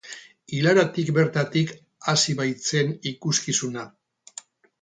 Ilaratik bertatik hasi baitzen ikuskizuna.